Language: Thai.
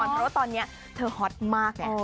เพราะว่าตอนนี้เธอฮอตมากไง